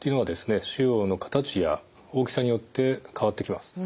腫瘍の形や大きさによって変わってきます。